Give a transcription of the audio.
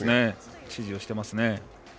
指示してますね。